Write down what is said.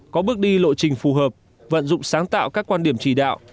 có bước đi lộ trình phù hợp vận dụng sáng tạo các quan điểm chỉ đạo